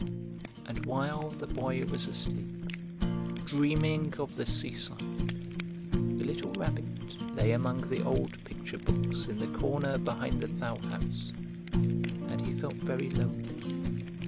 And while the Boy was asleep, dreaming of the seaside, the little Rabbit lay among the old picture books in the corner behind the fowl house, and he felt very lonely.